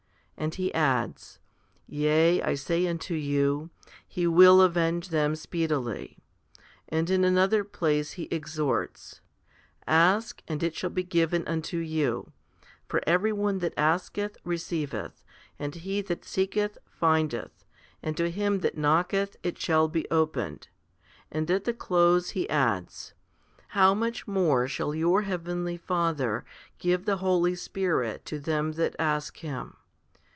l And He adds, Yea, I say unto you, He will avenge them speedily ; and in another place He exhorts, Ask, and it shall be given unto you, for every one that asketh, receiveth, and he that seeketh, findeth, and to him that knocketh it shall be opened ; 2 and at the close He adds, How much more shall your heavenly Father give the Holy Spirit to them that ask Him.